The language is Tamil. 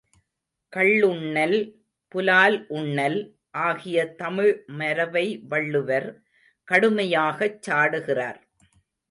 கள்ளுண்ணல், புலால் உண்ணல் ஆகிய தமிழ் மரபை வள்ளுவர் கடுமையாகச் சாடுகிறார்.